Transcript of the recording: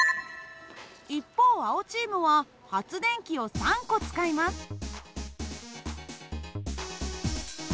一方青チームは発電機を３個使います。